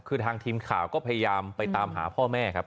คือทางทีมข่าวก็พยายามไปตามหาพ่อแม่ครับ